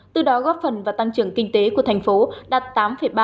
từ đó góp phần và tăng trưởng kinh tế của thành phố đạt tám ba